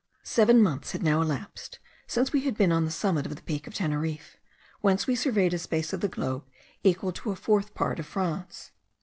Seven months had now elapsed since we had been on the summit of the peak of Teneriffe, whence we surveyed a space of the globe equal to a fourth part of France.